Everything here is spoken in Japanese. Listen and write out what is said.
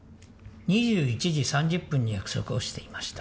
２１時３０分に約束をしていました